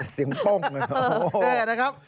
เสียงปุ๊บ